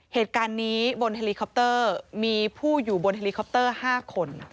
เหตุการณ์นี้บนเฮลิคอปเตอร์มีผู้อยู่บนเฮลิคอปเตอร์๕คน